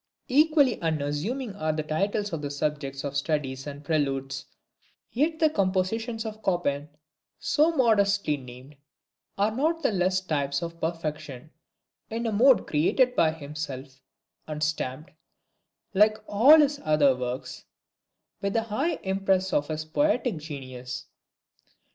Equally unassuming are the titles and subjects of the Studies and Preludes; yet the compositions of Chopin, so modestly named, are not the less types of perfection in a mode created by himself, and stamped, like all his other works, with the high impress of his poetic genius.